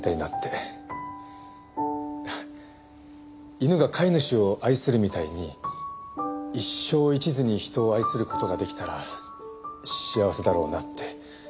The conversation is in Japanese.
犬が飼い主を愛するみたいに一生一途に人を愛する事が出来たら幸せだろうなって。